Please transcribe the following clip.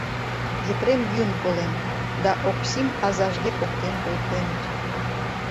Епрем йӱын колен, да Оксим азажге поктен колтеныт.